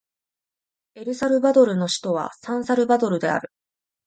エルサルバドルの首都はサンサルバドルである